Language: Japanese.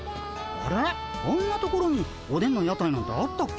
あんなところにおでんの屋台なんてあったっけ？